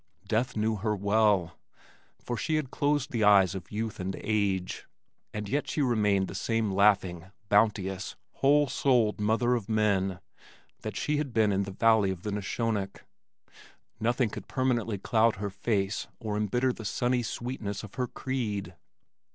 Death knew her well, for she had closed the eyes of youth and age, and yet she remained the same laughing, bounteous, whole souled mother of men that she had been in the valley of the Neshonoc. Nothing could permanently cloud her face or embitter the sunny sweetness of her creed.